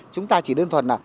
chúng ta chỉ đơn thuần là